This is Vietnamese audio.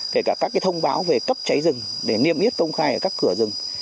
kể cả các thông báo về cấp cháy rừng để niêm yết công khai ở các cửa rừng